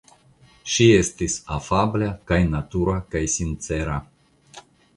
Ŝi estis afabla kaj natura kaj sincera.